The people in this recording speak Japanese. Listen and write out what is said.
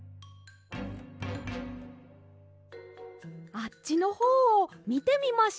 あっちのほうをみてみましょうか？